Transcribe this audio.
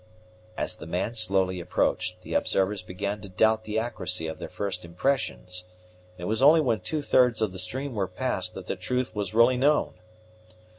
As the man slowly approached, the observers began to doubt the accuracy of their first impressions, and it was only when two thirds of the stream were passed that the truth was really known.